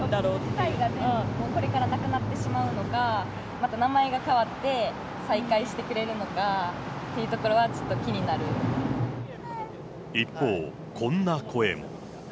機会がこれからなくなってしまうのか、また名前が変わって、再開してくれるのかっていうところは、一方、こんな声も。